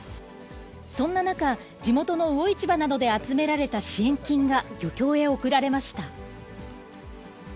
そんな中、地元の魚市場などで集められた支援金が漁協へ贈られました。